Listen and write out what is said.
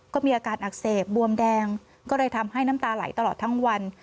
ก็มีอาการอักเสบบวมแดงก็เลยทำให้น้ำตาไหลตลอดทั้งวัน